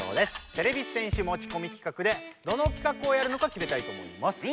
てれび戦士持ちこみ企画でどの企画をやるのかきめたいと思います。